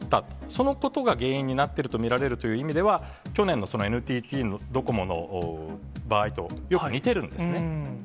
そのことが原因になってると見られるという意味では、去年のＮＴＴドコモの場合とよく似てるんですね。